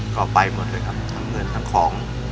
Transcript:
ก็ไปหมดเลยครับทั้งเงินทั้งของ